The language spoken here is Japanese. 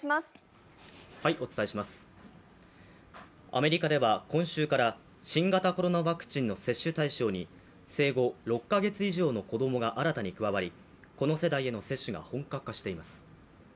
アメリカでは今週から新型コロナワクチンの接種対象に生後６カ月以上の子どもが新たに加わりこの世代への接種が本格化しています。